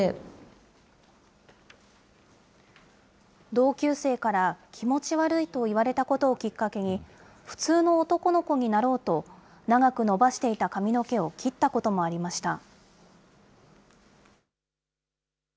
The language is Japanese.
同級生から気持ち悪いと言われたことをきっかけに、普通の男の子になろうと、長く伸ばしていた髪の毛を切ったこともありました。